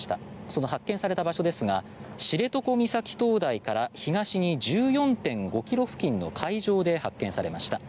その発見された場所ですが知床岬灯台から東に１４．５ｋｍ付近の海上で発見されました。